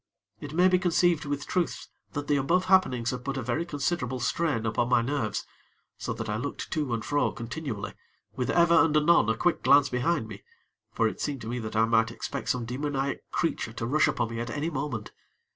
It may be conceived with truth that the above happenings had put a very considerable strain upon my nerves, so that I looked to and fro continually, with ever and anon a quick glance behind me; for it seemed to me that I might expect some demoniac creature to rush upon me at any moment.